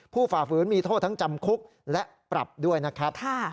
ฝ่าฝืนมีโทษทั้งจำคุกและปรับด้วยนะครับ